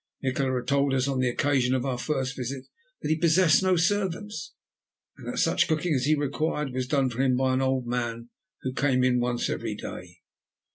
Nikola had told us on the occasion of our first visit, that he possessed no servants, and that such cooking as he required was done for him by an old man who came in once every day.